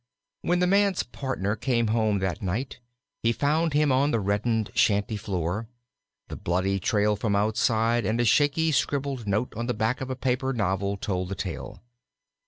When the man's partner came home that night he found him on the reddened shanty floor. The bloody trail from outside and a shaky, scribbled note on the back of a paper novel told the tale.